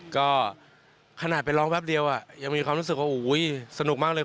ก็ขนาดไปร้องแป๊บเดียวยังมีความรู้สึกว่าสนุกมากเลย